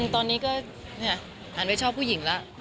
ตอนนี้ก็หันไปชอบผู้หญิงแล้ว